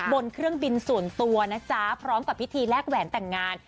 บนเครื่องบินส่วนตัวนะจ๊ะพร้อมกับพิธีแลกแหวนแต่งงาน